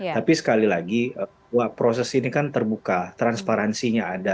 tapi sekali lagi proses ini kan terbuka transparansinya ada